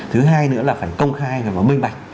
thứ hai nữa là phải công khai và minh bạch